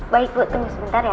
baik bu tunggu sebentar ya